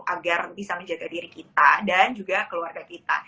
agar bisa menjaga diri kita dan juga keluarga kita